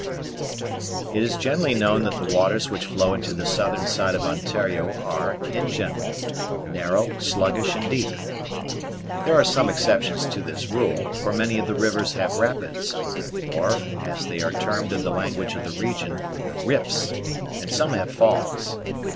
It is generally known that the waters which flow into the southern side of Ontario are, in general, narrow, sluggish, and deep. There are some exceptions to this rule, for many of the rivers have rapids, or, as they are termed in the language of the region, "rifts," and some have falls.